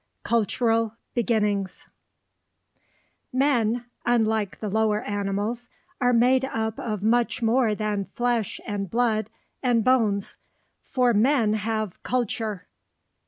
Cultural BEGINNINGS Men, unlike the lower animals, are made up of much more than flesh and blood and bones; for men have "culture."